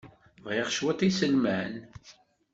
Bɣiɣ cwiṭ n yiselman.